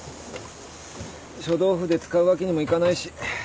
書道筆使うわけにもいかないし。